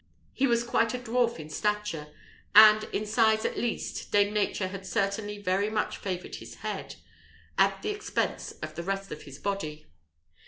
He was quite a dwarf in stature; and, in size at least, dame Nature had certainly very much favoured his head, at the expense of the rest of his body.